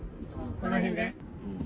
その辺で？